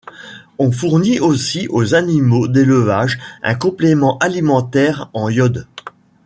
On fournit aussi aux animaux d'élevage un complément alimentaire en iode.